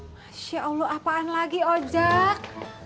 masya allah apaan lagi ojek